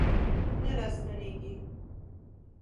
نه راستنیږي